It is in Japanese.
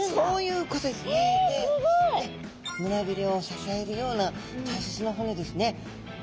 胸びれを支えるような大切な骨ですね。